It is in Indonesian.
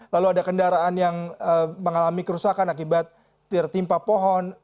lalu ada kendaraan yang mengalami kerusakan akibat tertimpa pohon